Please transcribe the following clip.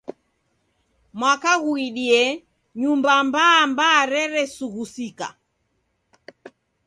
Mwaka ghuidie, Nyumba mbaa mbaa reresughusika